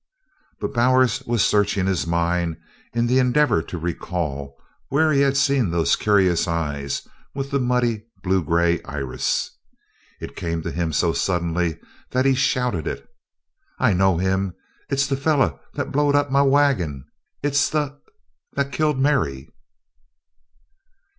But Bowers was searching his mind in the endeavor to recall where he had seen those curious eyes with the muddy blue gray iris. It came to him so suddenly that he shouted it: "I know him! It's the feller that blowed up my wagon! It's the that killed Mary!"